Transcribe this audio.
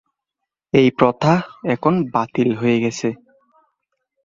এই প্রথা এখন বাতিল হয়ে গেছে।